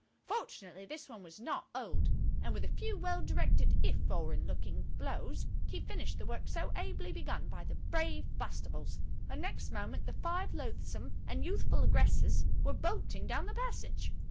Fortunately this one was not old, and with a few well directed, if foreign looking, blows he finished the work so ably begun by the brave Bastables, and next moment the five loathsome and youthful aggressors were bolting down the passage.